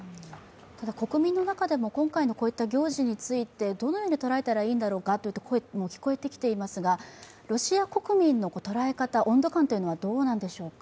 国民の中でも今回のこういった行事について、どうやって捉えたらいいんだろうかという声も聞こえてきていますが、ロシア国民の温度感はどのようなものでしょうか？